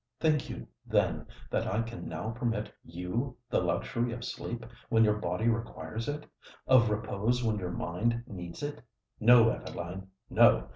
Think you, then, that I can now permit you the luxury of sleep when your body requires it—of repose when your mind needs it? No, Adeline—no!